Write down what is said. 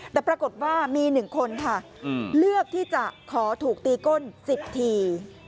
แต่ปรากฏว่ามี๑คนค่ะเลือกที่จะขอถูกตีก้น๑๐ที